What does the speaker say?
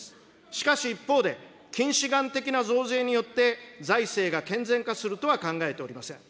しかし一方で、近視眼的な増税によって、財政が健全化するとは考えておりません。